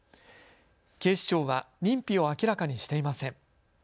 警視庁は認否を明らかにしていません。